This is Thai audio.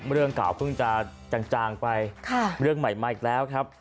เรื่องเก่าเพิ่งจะจางไปเรื่องใหม่มาอีกแล้วครับ